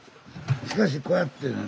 しかしこうやって。